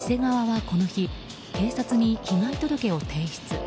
店側は、この日警察に被害届を提出。